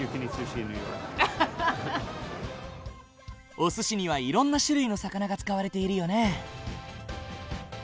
おすしにはいろんな種類の魚が使われているよね。